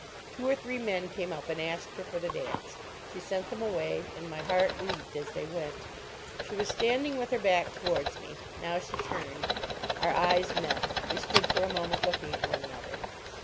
Two or three men came up, and asked her for the dance. She sent them away, and my heart leaped as they went. She was standing with her back towards me. Now she turned. Our eyes met. We stood for a moment looking at one another.